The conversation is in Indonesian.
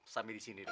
sambil di sini dulu